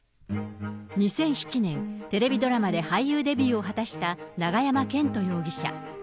２００７年、テレビドラマで俳優デビューを果たした永山絢斗容疑者。